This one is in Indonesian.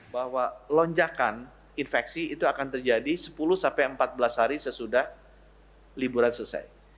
bahwa lonjakan infeksi itu akan terjadi sepuluh sampai empat belas hari sesudah liburan selesai